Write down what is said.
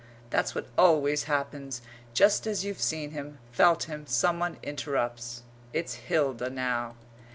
That's what always happens! Just as you've seen him, felt him, someone interrupts. It's Hilda now.